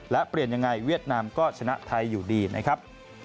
และเปลี่ยนยังไงเวียดนามก็ชนะไทยอยู่ดีนะครับ